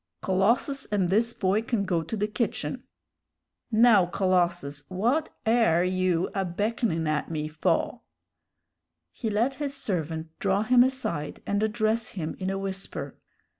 Colossus and this boy can go to the kitchen. Now, Colossus, what air you a beckonin' at me faw?" He let his servant draw him aside and address him in a whisper.